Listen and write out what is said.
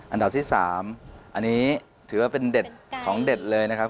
อันดับที่๓อันนี้ถือว่าเป็นเด็ดของเด็ดเลยนะครับ